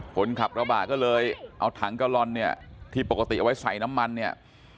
คนขับกระบะก็เลยเอาถังกะลอนเนี่ยที่ปกติเอาไว้ใส่น้ำมันเนี่ย